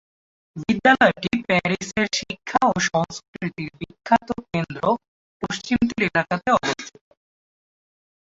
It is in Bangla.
বিদ্যালয়টি প্যারিসের শিক্ষা ও সংস্কৃতির বিখ্যাত কেন্দ্র পশ্চিম তীর এলাকাতে অবস্থিত।